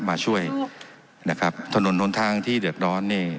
มาช่วยนะครับถนนหน้นทางที่เดือดร้อนนี่